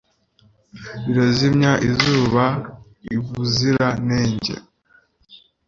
Zirazimya izuba i Buzira nenge.